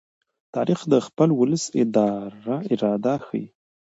تاریخ د خپل ولس اراده ښيي.